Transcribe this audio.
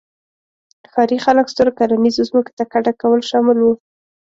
ښاري خلک سترو کرنیزو ځمکو ته کډه کول شامل وو